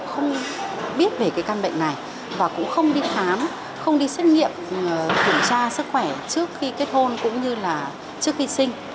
không biết về cái căn bệnh này và cũng không đi khám không đi xét nghiệm kiểm tra sức khỏe trước khi kết hôn cũng như là trước khi sinh